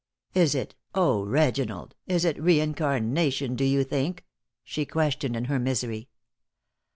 "Is it oh, Reginald! is it reincarnation, do you think?" she questioned in her misery.